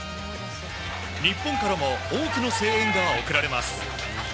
日本からも多くの声援が送られます。